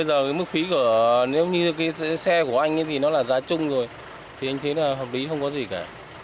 bây giờ cái mức phí của nếu như cái xe của anh thì nó là giá chung rồi thì anh thấy là hợp lý không có gì cả